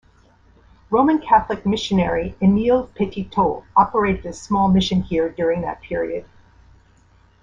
Roman Catholic missionary Emile Petitot operated a small mission here during that period.